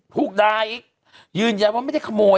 ถูกด่าอีกยืนยันว่าไม่ได้ขโมย